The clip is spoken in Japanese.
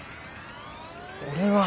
俺は。